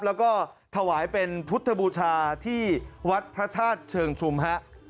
แล้วก็ถวายเป็นพุทธบูชาที่วัดพระธาตุเชิงชุมฮะ